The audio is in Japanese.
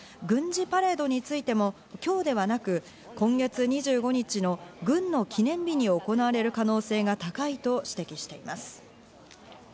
また軍事パレードについても今日ではなく、今月２５日の軍の記念日に行われる可能性が高いと指摘されています。